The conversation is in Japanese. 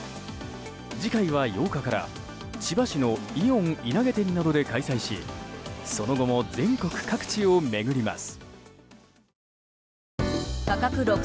次回は８日から千葉市のイオン稲毛店などで開催しその後も全国各地を巡ります。